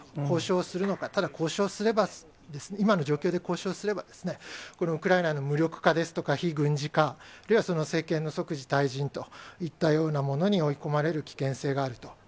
交渉するのか、ただ交渉すれば、今の状況で交渉すれば、ウクライナの無力化ですとか、非軍事化、あるいは政権の即時退陣といったようなものに追い込まれる危険性があると。